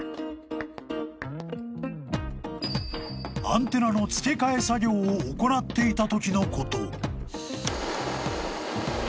［アンテナの付け替え作業を行っていたときのこと］